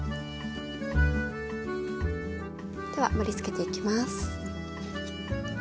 では盛りつけていきます。